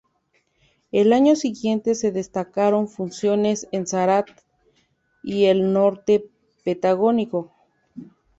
Al año siguiente se destacaron funciones en Zárate y el norte patagónico.